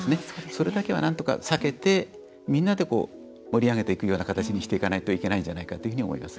それだけはなんとか避けてみんなで盛り上げていくような形にしていかなければいけないと思います。